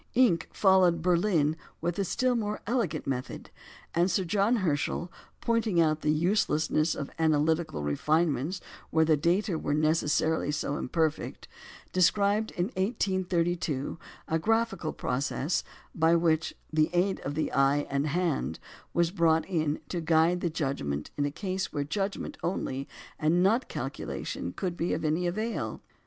Encke followed at Berlin with a still more elegant method; and Sir John Herschel, pointing out the uselessness of analytical refinements where the data were necessarily so imperfect, described in 1832 a graphical process by which "the aid of the eye and hand" was brought in "to guide the judgment in a case where judgment only, and not calculation, could be of any avail."